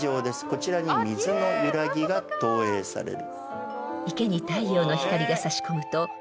こちらに水の揺らぎが投影される。